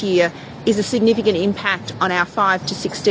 kesan yang signifikan pada anak anak lima enam belas tahun kita